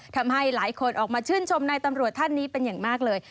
ทำให้หลายคนออกมาชื่นชมนายตำรวจท่านนี้เป็นอย่างมากเลย